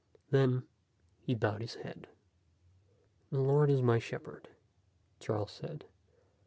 Then he bowed his head. "The Lord is my shepherd," Charles said.